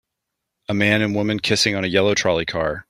A man and women kissing on a yellow trolley car.